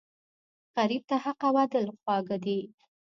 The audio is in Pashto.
غریب ته حق او عدل خواږه دي